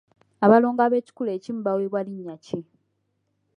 Abalongo ab’ekikula ekimu baweebwa linnya ki?